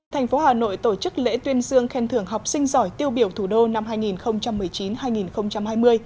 thành phố hà nội tổ chức lễ tuyên dương khen thưởng học sinh giỏi tiêu biểu thủ đô năm hai nghìn một mươi chín hai nghìn hai mươi